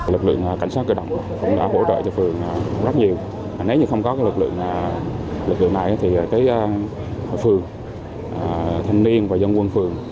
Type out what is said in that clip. lực lượng cảnh sát cơ động cũng đã hỗ trợ cho phường rất nhiều nếu như không có lực lượng này thì tới phường thanh niên và dân quân phường